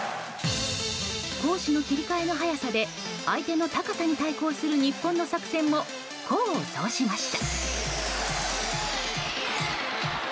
攻守の切り替えの早さで相手の高さに対抗する日本の作戦も功を奏しました。